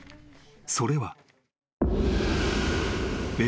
［それは］